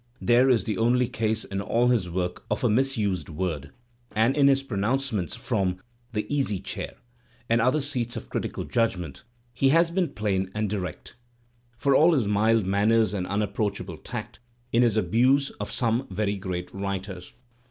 there is the only case in all his work of a misused word), and in his pronouncements from "The Easy Chair'* and other seats of critical judgment he has been plain and direct. Digitized by Google 290 THE SPIRIT OF AMERICAN LITERATURE for all his mild manners and unapproachable tact, in his abuse of some very great writers.